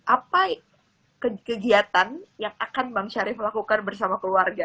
apa kegiatan yang akan bang syarif lakukan bersama keluarga